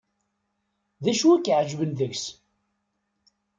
D acu i k-iεeǧben deg-s.